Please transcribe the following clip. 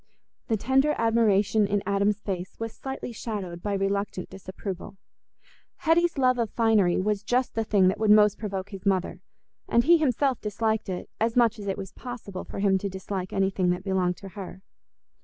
The tender admiration in Adam's face was slightly shadowed by reluctant disapproval. Hetty's love of finery was just the thing that would most provoke his mother, and he himself disliked it as much as it was possible for him to dislike anything that belonged to her.